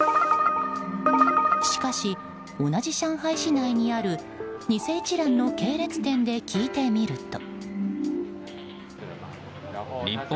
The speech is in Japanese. しかし、同じ上海市内にある偽一蘭の系列店で聞いてみると。